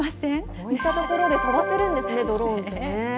こういった所で飛ばせるんですね、ドローンって。